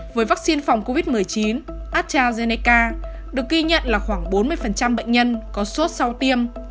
với vaccine phòng covid một mươi chín astrazeneca được ghi nhận là khoảng bốn mươi bệnh nhân có sốt sau tiêm